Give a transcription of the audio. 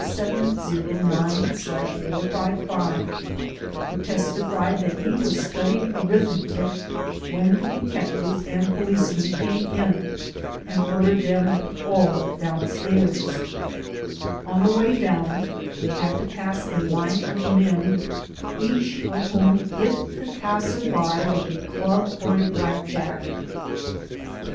54709/455) who testi fied that he was studying arithmetic when the detectives and policemen came in and ordered them all down stairs. On the way down they had to pass a line of men, each of whom hit the passerby with a club or a blackjack.